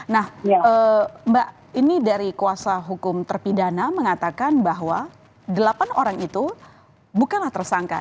nah mbak ini dari kuasa hukum terpidana mengatakan bahwa delapan orang itu bukanlah tersangka